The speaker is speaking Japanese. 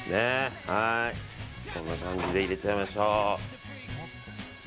こんな感じで入れちゃいましょう。